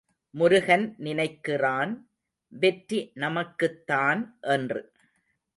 முருகன் நினைக்கிறான், வெற்றி நமக்குத் தான் என்று.